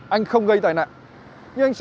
anh không gây tai nạn